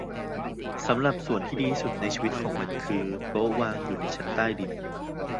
สำหรับส่วนที่ดีที่สุดในชีวิตของมันคือ โต๊ะวางอยู่ในชั้นใต้ดิน